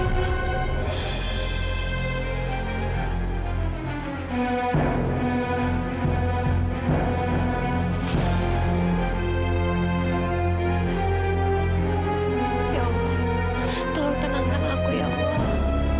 ya allah tolong tenangkan aku ya allah